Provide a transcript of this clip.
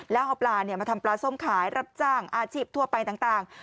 แล้วเอาปลามาทำปลาส้มขายรับจ้างอาชีพทั่วไปต่าง